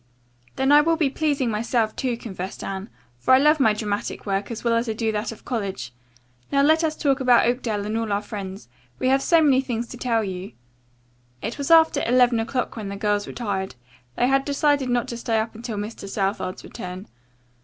"Then I will be pleasing myself, too," confessed Anne. "For I love my dramatic work as well as I do that of the college. Now, let us talk about Oakdale and all our friends. We have so many things to tell you." It was after eleven o'clock when the girls retired. They had decided not to stay up until Mr. Southard's return.